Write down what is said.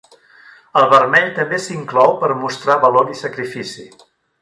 El vermell també s'inclou per mostrar valor i sacrifici.